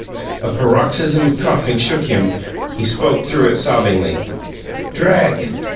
A paroxysm of coughing shook him; he spoke through it sobbingly: "'Drag!'